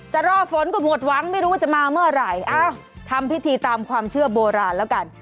รอฝนก็หมดหวังไม่รู้ว่าจะมาเมื่อไหร่อ้าวทำพิธีตามความเชื่อโบราณแล้วกัน